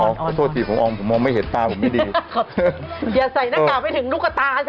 เพราะโทษจีบผมออมผมมองไม่เห็นตาผมไม่ดีอย่าใส่หน้ากากไปถึงลูกตาสิ